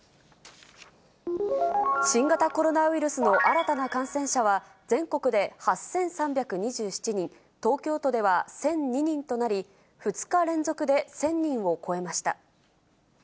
新型コロナウイルスの新たな感染者は、全国で８３２７人、東京都では１００２人となり、２日連続で１０００人を超えました。